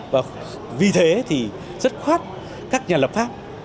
và vì thế thì rất khoát các nhà lập pháp